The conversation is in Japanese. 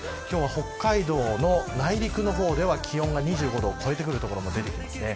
北海道の内陸の方では気温が２５度を超えてくる所も出てきます。